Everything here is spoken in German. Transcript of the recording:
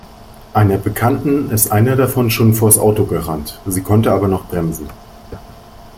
Einer Bekannten ist einer davon schon vors Auto gerannt. Sie konnte aber noch bremsen.